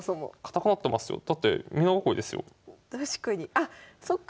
あっそっか